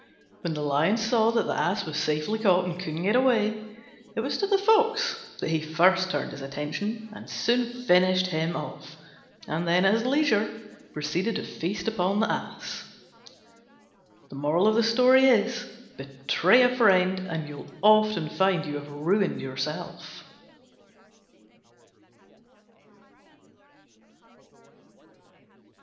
When the Lion saw that the Ass was safely caught and couldn't get away, it was to the Fox that he first turned his attention, and he soon finished him off, and then at his leisure proceeded to feast upon the Ass. Betray a friend, and you'll often find you have ruined yourself.